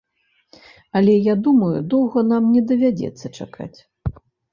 Але я думаю, доўга нам не давядзецца чакаць.